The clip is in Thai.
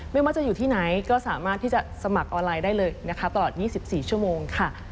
ไม่ว่าจะอยู่ที่ไหนก็สามารถที่จะสมัครออนไลน์ได้เลยนะคะตลอด๒๔ชั่วโมงค่ะ